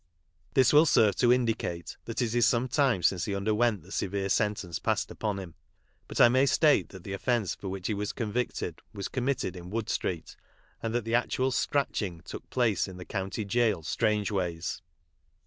'' This will serve to indicate that it is some time since ho underwent the severe sen tence passed upon him ; but I may state that the offence for which he was convicted was committed in "Wood street, and that the actual " scratching ' took place in the County Gaol, Strange ways.